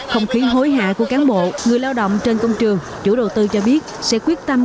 không khí hối hạ của cán bộ người lao động trên công trường chủ đầu tư cho biết sẽ quyết tâm